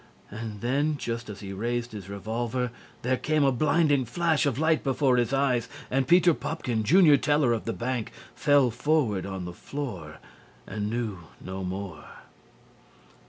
and then just as he raised his revolver, there came a blinding flash of light before his eyes, and Peter Pupkin, junior teller of the bank, fell forward on the floor and knew no more.